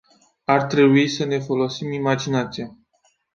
Ar trebui să ne folosim imaginația.